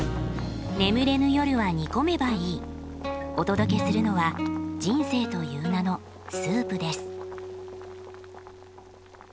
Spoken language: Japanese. お届けするのは人生という名のスープです。